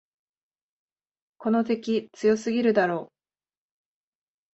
この敵、強すぎるだろ。